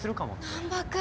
難破君。